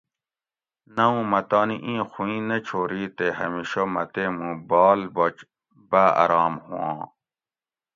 نہ اُوں مۤہ تانی اِیں خوئیں نہ چھوری تے ہمیشہ مۤہ تے مُوں بال بچ باۤ آرام ہُواں